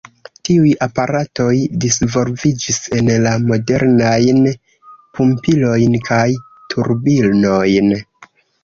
Tiuj aparatoj disvolviĝis en la modernajn pumpilojn kaj turbinojn.